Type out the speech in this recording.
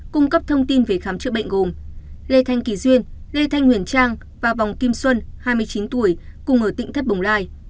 cung cấp thông tin về khám chữa bệnh gồm lê thanh kỳ duyên lê thanh huyền trang và vòng kim xuân hai mươi chín tuổi cùng ở tỉnh thất bồng lai